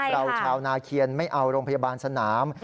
ชาวนาเคียนไม่เอาโรงพยาบาลสนาม